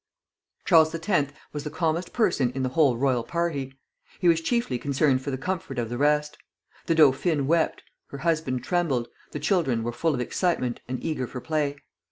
Charles X. was the calmest person in the whole royal party. He was chiefly concerned for the comfort of the rest. The dauphine wept, her husband trembled, the children were full of excitement and eager for play.